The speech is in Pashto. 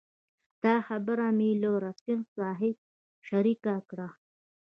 دا خبره مې له رفیع صاحب شریکه کړه.